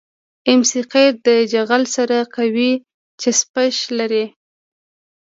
ام سي قیر د جغل سره قوي چسپش لري